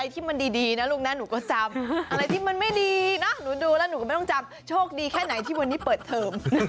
ช่วงดีแค่ไหนที่วันนี้เปิดเทม